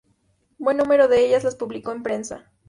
Buen número de ellas las publicó en prensa.